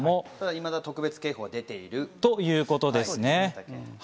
いまだ特別警報が出ているということですね。